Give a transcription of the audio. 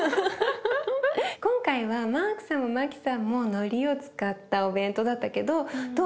今回はマークさんもマキさんものりを使ったお弁当だったけどどう？